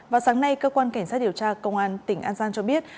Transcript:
vào sáng nay cơ quan cảnh sát điều tra công an tỉnh an giang cho biết